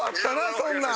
そんなん。